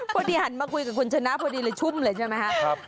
พอดีหันมาคุยกับคุณชนะพอดีเลยชุ่มเลยใช่ไหมครับ